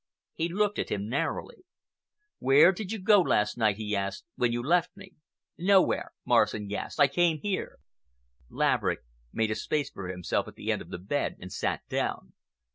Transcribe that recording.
He looked at him narrowly. "Where did you go last night," he asked, "when you left me?" "Nowhere," Morrison gasped. "I came here." Laverick made a space for himself at the end of the bed, and sat down.